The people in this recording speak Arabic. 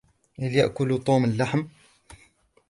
هل يأكل توم اللحم؟